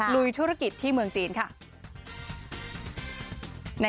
ลุยธุรกิจที่เมืองจีนค่ะ